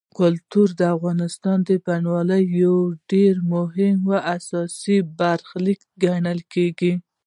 کلتور د افغانستان د بڼوالۍ یوه ډېره مهمه او اساسي برخه ګڼل کېږي.